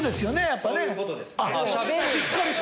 やっぱね。